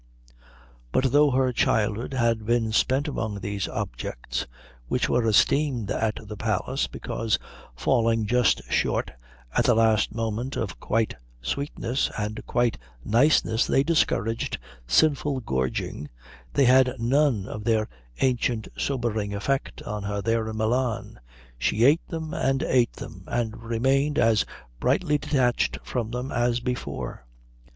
But though her childhood had been spent among these objects, which were esteemed at the Palace because falling just short at the last moment of quite sweetness and quite niceness they discouraged sinful gorging, they had none of their ancient sobering effect on her there in Milan. She ate them and ate them, and remained as brightly detached from them as before.